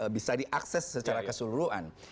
bisa diakses secara keseluruhan